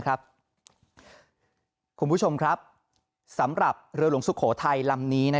คุณผู้ชมครับสำหรับเรือหลวงสุโขทัยลำนี้